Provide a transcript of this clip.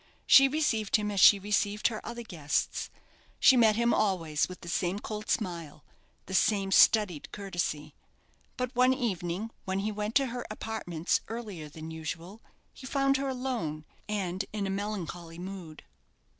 She received him as she received her other guests. She met him always with the same cold smile; the same studied courtesy. But one evening, when he went to her apartments earlier than usual, he found her alone, and in a melancholy mood.